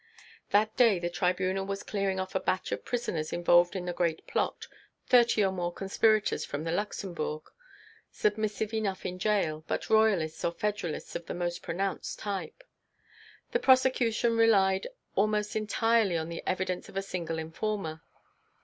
That day the Tribunal was clearing off a batch of prisoners involved in the great plot, thirty or more conspirators from the Luxembourg, submissive enough in gaol, but Royalists or Federalists of the most pronounced type. The prosecution relied almost entirely on the evidence of a single informer.